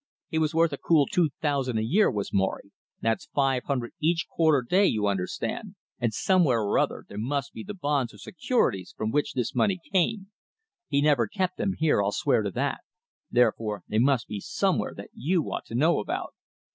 He was worth a cool two thousand a year was Morry that's five hundred each quarter day, you understand, and somewhere or other there must be the bonds or securities from which this money came. He never kept them here. I'll swear to that. Therefore they must be somewhere that you ought to know about."